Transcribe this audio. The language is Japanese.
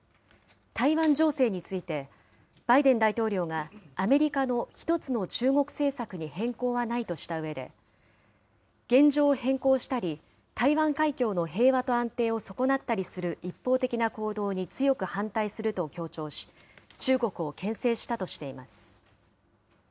台湾情勢について、バイデン大統領が、アメリカの１つの中国政策に変更はないとしたうえで、現状を変更したり、台湾海峡の平和と安定を損なったりする一方的な行動に強く反対すると強調し、中国をけん制したとしています。